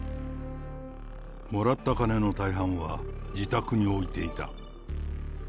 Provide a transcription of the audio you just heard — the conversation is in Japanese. もらった金の大半は自宅に置いていた。